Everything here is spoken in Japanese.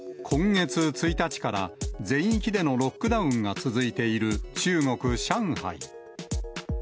今月１日から全域でのロックダウンが続いている中国・上海。